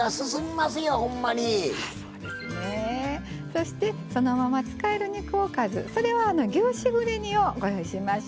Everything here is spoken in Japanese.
そしてそのまま使える肉おかずそれは牛しぐれ煮をご用意しました。